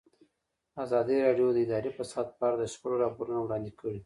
ازادي راډیو د اداري فساد په اړه د شخړو راپورونه وړاندې کړي.